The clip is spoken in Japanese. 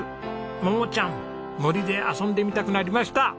桃ちゃん森で遊んでみたくなりました。